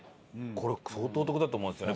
これ相当お得だと思うんですよね